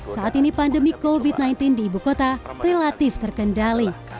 saat ini pandemi covid sembilan belas di ibu kota relatif terkendali